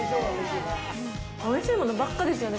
おいしいものばっかですよね